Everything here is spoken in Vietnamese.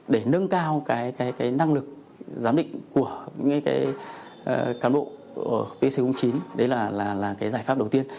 để nâng cao năng lực giám định của cán bộ pc chín đấy là giải pháp đầu tiên